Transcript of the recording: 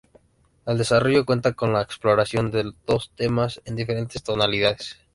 El desarrollo cuenta con la exploración de dos temas en diferentes tonalidades.